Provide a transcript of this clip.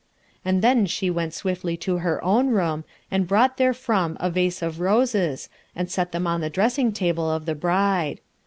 And then she went swiftly to her own room and brought therefrom a vase of rases and set them on the dressing table of the bride.